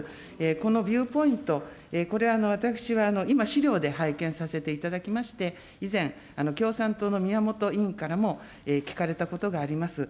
このビューポイント、これ、私は今、資料で拝見させていただきまして、以前、共産党のみやもと委員からも聞かれたことがあります。